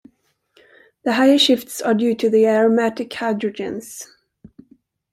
The higher shifts are due to the aromatic hydrogens.